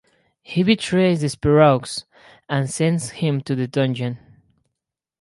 He betrays Despereaux and sends him to the dungeon.